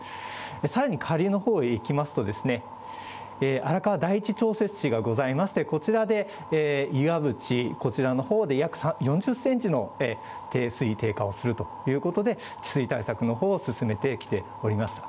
さらに下流のほうへいきますと、荒川第一調節地がございまして、こちらで、いわぶち、こちらのほうで約４０センチの水位低下をするということで、治水対策のほう、進めてきております。